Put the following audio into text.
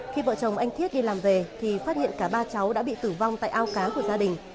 khi vợ chồng anh thiết đi làm về thì phát hiện cả ba cháu đã bị tử vong tại ao cá của gia đình